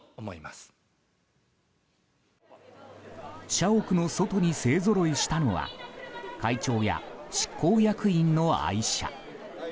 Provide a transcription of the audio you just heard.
社屋の外に勢ぞろいしたのは会長や執行役員の愛車。